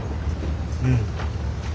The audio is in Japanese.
うん。